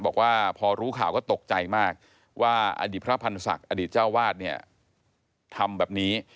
บอกว่าพอรู้ข่าวก็ตกใจมากว่าอดีตพระพันธ์ศักดิ์อดีตเจ้าวาดเนี่ยทำแบบนี้